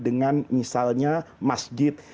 dengan misalnya masjid